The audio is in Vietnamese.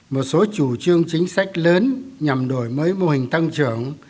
một số chủ trương chính sách lớn nhằm đổi mới mô hình tăng trưởng